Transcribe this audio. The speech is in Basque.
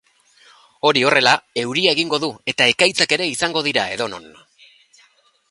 Hori horrela, euria egingo du, eta ekaitzak ere izango dira edonon.